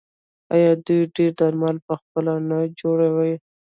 آیا دوی ډیری درمل پخپله نه جوړوي؟